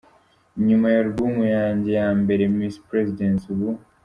Nyuma ya albumu yanjye ya mbere Miss President, ubu.